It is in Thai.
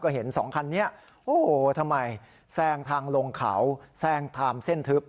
ก็เห็น๒คันนี้โอ้โหทำไมแทรงทางลงเขาแทรงทางเส้นทึบ